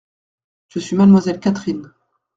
Je suis mademoiselle Catherine.